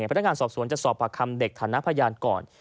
พนักงานสอบสวนจะสอบปากคำเด็กฐานะพยานก่อน